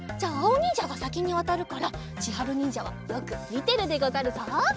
おにんじゃがさきにわたるからちはるにんじゃはよくみてるでござるぞ。